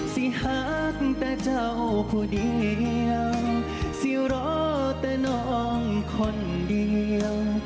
สิหักแต่เจ้าผู้เดียวสิรอแต่น้องคนเดียว